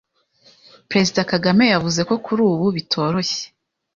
Perezida Kagame yavuze ko kuri ubu bitoroshye